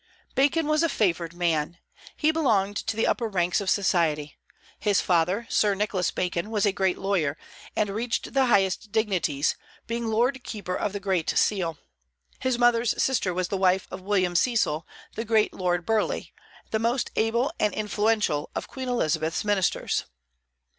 Bacon was a favored man; he belonged to the upper ranks of society. His father, Sir Nicholas Bacon, was a great lawyer, and reached the highest dignities, being Lord Keeper of the Great Seal. His mother's sister was the wife of William Cecil, the great Lord Burleigh, the most able and influential of Queen Elizabeth's ministers.